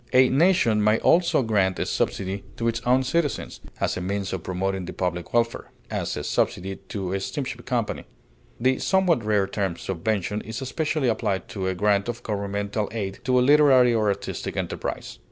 A nation may also grant a subsidy to its own citizens as a means of promoting the public welfare; as, a subsidy to a steamship company. The somewhat rare term subvention is especially applied to a grant of governmental aid to a literary or artistic enterprise.